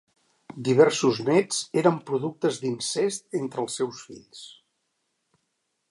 Diversos néts eren productes d'incest entre els seus fills.